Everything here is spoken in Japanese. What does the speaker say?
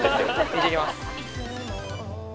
いってきます。